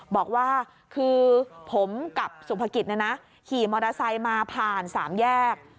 บอกว่าคือผมกับสุภกิจขี่มอเตอร์ไซค์มาผ่าน๓แยก